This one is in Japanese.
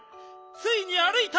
ついにあるいた！